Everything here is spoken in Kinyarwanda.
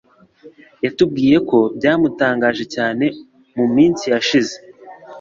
yatubwiyeko byamutangaje cyane mu minsi yashize